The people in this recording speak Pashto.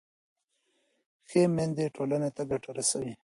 ښه میندې ټولنې ته ګټه رسوي.